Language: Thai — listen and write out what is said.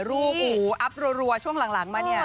รูปหูอัพรัวช่วงหลังมาเนี่ย